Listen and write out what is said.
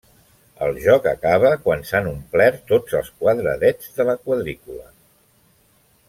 El joc acaba quan s'han omplert tots els quadradets de la quadrícula.